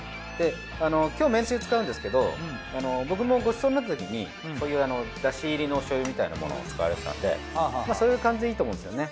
今日めんつゆ使うんですけど僕もごちそうになったときにそういうだし入りのおしょうゆみたいなものを使われてたんでそういう感じでいいと思うんですよね。